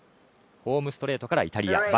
ホームストレートからイタリア。